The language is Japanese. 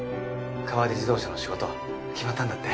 河出自動車の仕事決まったんだって？